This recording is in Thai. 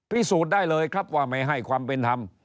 พิสูจน์ได้เลยครับว่าไม่ให้ความเป็นธรรม